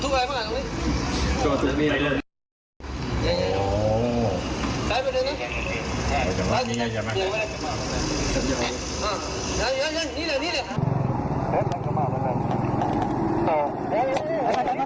เมื่อเวลาเมื่อเวลาเมื่อเวลาเมื่อเวลา